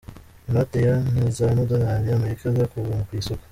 Inote ya ,,, n’ z’amadolari y’amerika zakuwe ku isoko.